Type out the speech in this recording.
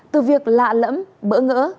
từ việc lạ lẫm bỡ ngỡ